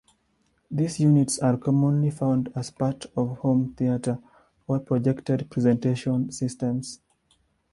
These units are commonly found as part of home theatre or projected presentation systems.